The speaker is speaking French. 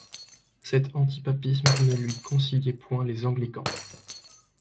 Cet antipapisme ne lui conciliait point les anglicans.